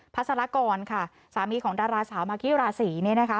ัสลากรค่ะสามีของดาราสาวมากกี้ราศีเนี่ยนะคะ